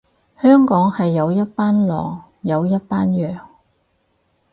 香港係有一班狼，有一班羊